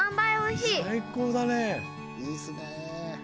いいっすね。